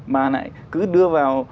mà cứ đưa vào